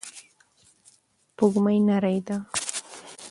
سپوږمۍ نرۍ ده.